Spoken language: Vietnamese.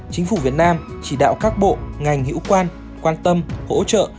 chính phủ việt nam chỉ đạo các bộ ngành hữu quan quan tâm hỗ trợ